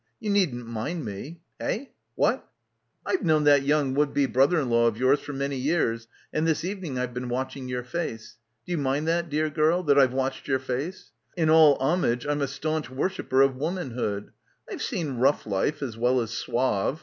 You needn't mind me. Hey? What? I've known that young would be brother in law of yours for many years and this evening I've been watching your face. Do you mind that, dear girl, that I've watched your face? In all homage. I'm a staunch worshipper of womanhood. I've seen rough life as well as suave.